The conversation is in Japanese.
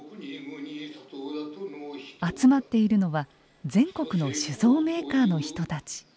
集まっているのは全国の酒造メーカーの人たち。